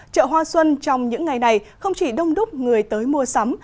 chợ hoa xuân trong những ngày này không chỉ đông đúc người tới mua sắm